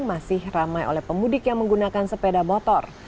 masih ramai oleh pemudik yang menggunakan sepeda motor